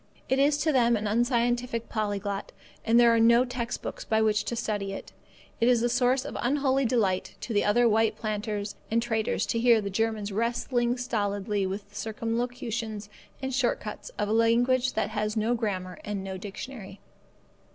It is to them an unscientific polyglot, and there are no text books by which to study it. It is a source of unholy delight to the other white planters and traders to hear the German wrestling stolidly with the circumlocutions and short cuts of a language that has no grammar and no dictionary.